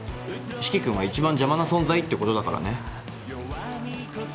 四鬼君は一番邪魔な存在ってことだからね。